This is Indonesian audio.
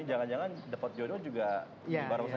ini jangan jangan dapat jodoh juga di barongsai juga